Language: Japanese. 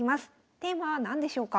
テーマは何でしょうか？